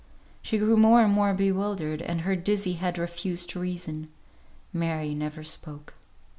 She grew more and more bewildered, and her dizzy head refused to reason. Mary never spoke.